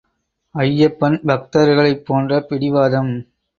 அய்யப்பன் பக்தர்களைப் போன்ற பிடிவாதம்.